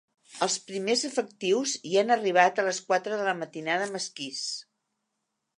Els primers efectius hi han arribat a les quatre de la matinada amb esquís.